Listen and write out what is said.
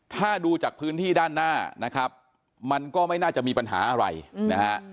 ถ้าดูจากพื้นที่ด้านหน้านะครับมันก็ไม่น่าจะมีปัญหาอะไรนะฮะ